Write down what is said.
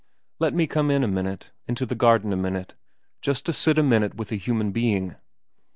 ' Let me come in a minute into the garden a minute just to sit a minute with a human being.